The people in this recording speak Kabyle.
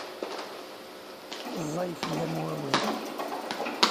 Ẓẓay fell-am wawal.